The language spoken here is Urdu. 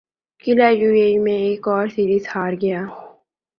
قلعے یو اے ای میں ایک اور سیریز ہار گیا